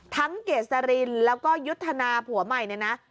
เกษรินแล้วก็ยุทธนาผัวใหม่เนี่ยนะ